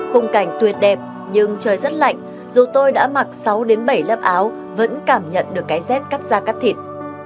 khung cảnh tuyệt đẹp nhưng trời rất lạnh dù tôi đã mặc sáu bảy lớp áo vẫn cảm nhận được cái dép cắt ra cắt thịt